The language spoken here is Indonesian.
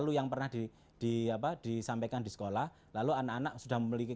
untuk dari sini juga menurut atung